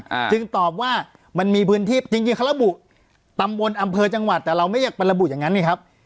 อ่าจึงตอบว่ามันมีพื้นที่จริงจริงเขาระบุตำบลอำเภอจังหวัดแต่เราไม่อยากไประบุอย่างงั้นนี่ครับ